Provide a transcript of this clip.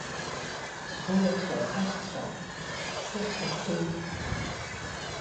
Сгулацәа, сашьцәа, шәыххь згеит!